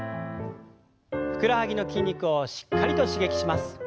ふくらはぎの筋肉をしっかりと刺激します。